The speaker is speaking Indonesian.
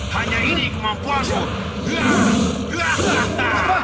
hanya ini kemampuanmu